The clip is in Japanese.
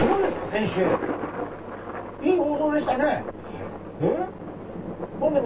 先週いい放送でしたね。